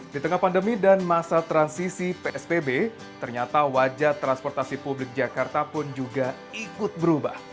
di tengah pandemi dan masa transisi psbb ternyata wajah transportasi publik jakarta pun juga ikut berubah